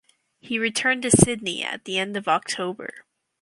He returned to Sydney at the end of October.